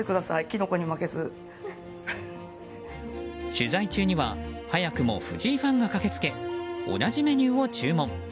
取材中には早くも藤井ファンが駆けつけ同じメニューを注文。